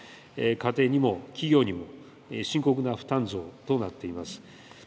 家庭にも企業にも深刻な負担増となっています。